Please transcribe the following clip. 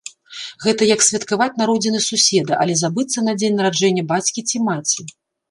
Гэта як святкаваць народзіны суседа, але забыцца на дзень нараджэння бацькі ці маці.